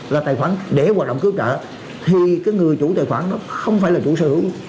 là tài khoản để hoạt động cứu trợ thì cái người chủ tài khoản đó không phải là chủ sở hữu